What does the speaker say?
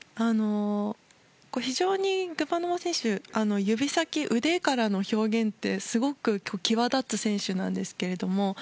非常にグバノワ選手は指先など腕からの表現ってすごく際立つ選手なんですけれども。